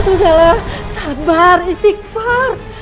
jumlah sabar istighfar